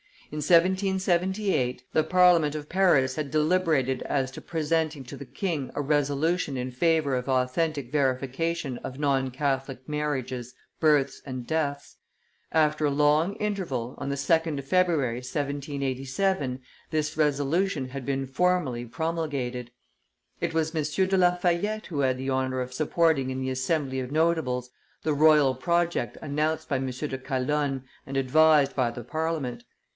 In 1778, the parliament of Paris had deliberated as to presenting to the king a resolution in favor of authentic verification of non Catholic marriages, births, and deaths; after a long interval, on, the 2d of February, 1787, this resolution had been formally, promulgated. It was M. de Lafayette who had the honor of supporting in the assembly of notables the royal project announced by M. de Calonne and advised by the Parliament.